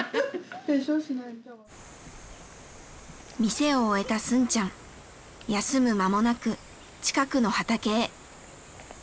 店を終えたスンちゃん休む間もなく近くの畑へ。